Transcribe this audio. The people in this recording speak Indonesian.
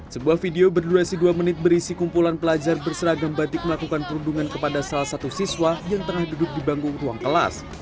sebuah video berdurasi dua menit berisi kumpulan pelajar berseragam batik melakukan perundungan kepada salah satu siswa yang tengah duduk di banggung ruang kelas